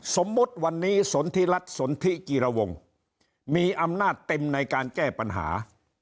สมมุติวันนี้สนทิรัฐสนทิกิรวงมีอำนาจเต็มในการแก้ปัญหา